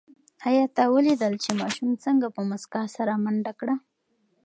آیا تا ولیدل چې ماشوم څنګه په موسکا سره منډه کړه؟